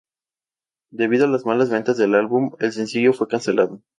Debido a las malas ventas del álbum, el sencillo fue cancelado.